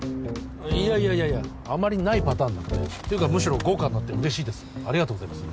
いやいやいやいやあまりないパターンなのでていうかむしろ豪華になって嬉しいですありがとうございます